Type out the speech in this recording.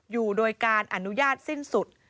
อยู่โดยการอนุญาตสิ้นสุด